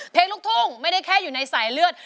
เพลงลูกทุ่งไม่ได้แค่อยู่ในสายเลือด